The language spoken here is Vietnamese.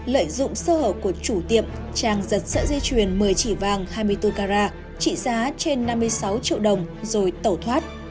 lợi dụng sơ hở của chủ tiệm trang giật sợi dây chuyền một mươi chỉ vàng hai mươi bốn carat trị giá trên năm mươi sáu triệu đồng rồi tẩu thoát